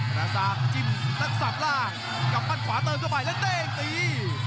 บรรดาศักดิ์จิ้มนักศัพท์ล่างกับมันขวาเติมเข้าไปแล้วเต้งตี